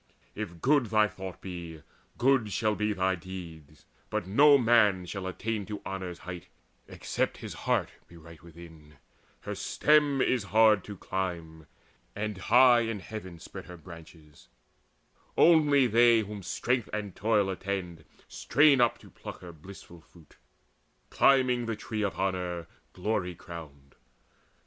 If good thy thought be, good shall be thy deeds: But no man shall attain to Honour's height, Except his heart be right within: her stem Is hard to climb, and high in heaven spread Her branches: only they whom strength and toil Attend, strain up to pluck her blissful fruit, Climbing the Tree of Honour glow crowned.